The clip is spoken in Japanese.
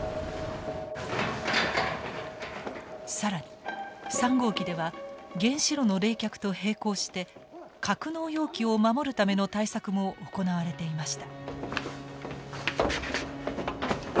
更に３号機では原子炉の冷却と並行して格納容器を守るための対策も行われていました。